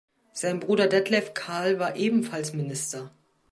Sein Bruder Detlev Carl war ebenfalls Minister.